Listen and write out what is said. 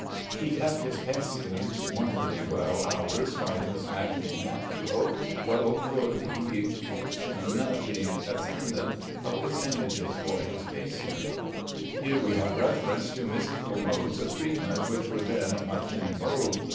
"He kept his pacient wondurly wel In houres by his magik naturel. Wel cowde he fortune the ascendent Of his ymages for his pacient." Here we have reference to mystical modes of treatment which were then much in vogue.